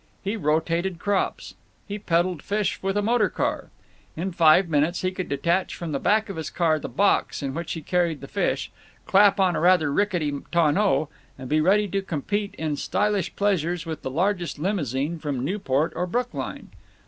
He rotated crops. He peddled fish with a motor car. In five minutes he could detach from the back of his car the box in which he carried the fish, clap on a rather rickety tonneau, and be ready to compete in stylish pleasures with the largest limousine from Newport or Brookline.